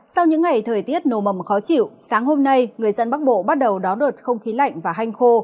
sau những ngày thời tiết nồ mầm khó chịu sáng hôm nay người dân bắc bộ bắt đầu đón đợt không khí lạnh và hanh khô